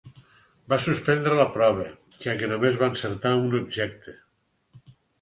Va suspendre la prova, ja que només va encertar un objecte.